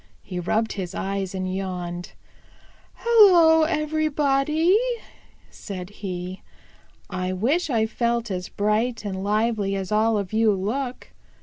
He rubbed his eyes and yawned. "Hello, everybody," said he. "I wish I felt as bright and lively as all of you look.